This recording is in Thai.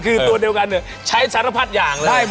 คือตัวเดียวกันใช้สารพัดอย่างเลย